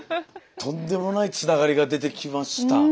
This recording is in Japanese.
とんでもないつながりが出てきました。